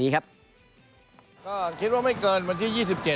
ก็คิดว่าไม่เกินวันที่๒๗